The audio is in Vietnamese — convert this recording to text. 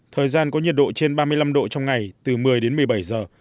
thời gian có nhiệt độ trên ba mươi năm độ trong ngày từ một mươi đến một mươi bảy giờ